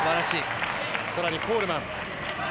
さらにコールマン。